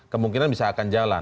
kemungkinan bisa akan jawab